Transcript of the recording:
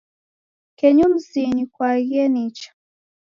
Kenyu mzinyi kwaaghie nicha.